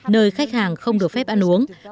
nơi khách hàng không được phép ăn uống